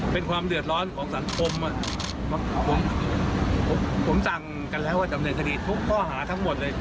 เป็นความเดือดร้อนของสังคมผมสั่งกันแล้วว่าจำเนินคดีทุกข้อหาทั้งหมดเลย